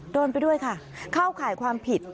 โดนไปด้วยค่ะเข้าข่ายความผิด